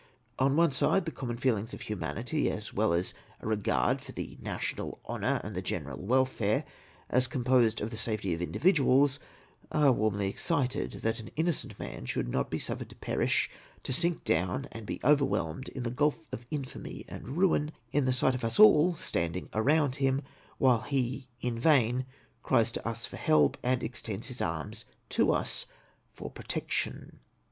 On one side, the common feelings of humanity, as well as a regard for the national honour and the general welfare, as composed of the safety of individuals, are warmly excited, that an innocent man should not be suffered to perish, to sink down and be overwhelmed in the gulf of infamy and ruin, in the sight of us all standing around him, while he in vain cries to us for help, and extends his arms to us for protection.